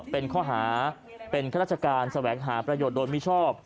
เป็นข้อหาเป็นข้าราชการแสวงหาประโยชน์โดยมิชอบ